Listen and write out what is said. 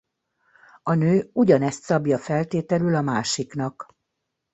A nő ugyanezt szabja feltételül a másiknak.